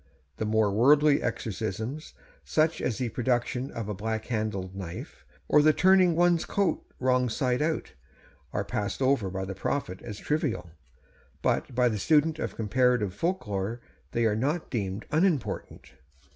The more worldly exorcisms, such as the production of a black handled knife, or the turning one's coat wrongside out, are passed over by the Prophet as trivial; but by the student of comparative folk lore, they are not deemed unimportant.